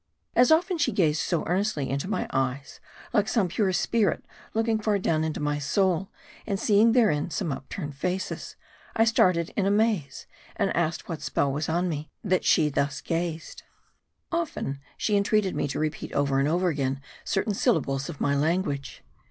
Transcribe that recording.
As often she gazed so earnestly into my eyes, like some pure spirit looking far down into my soul, and seeing therein some upturned faces, I started in amaze, and asked what spell was on me, that thus she gazed. Often she entreated me to repeat over and over again cer tain syllables of my language.